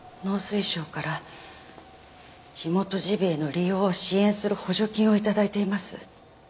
農水省から地元ジビエの利用を支援する補助金を頂いています。